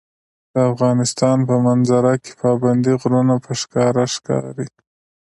د افغانستان په منظره کې پابندي غرونه په ښکاره ښکاري.